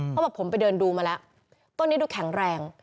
เขาบอกผมไปเดินดูมาแล้วต้นนี้ดูแข็งแรง